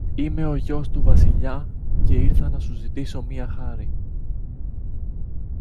είμαι ο γιος του Βασιλιά και ήρθα να σου ζητήσω μια χάρη.